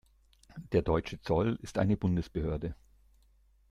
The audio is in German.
Der deutsche Zoll ist eine Bundesbehörde.